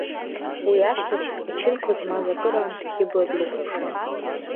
Уи ашьҭахь ачынқәа змаз акыраамҭа Хьыбла длыхәаԥшуан.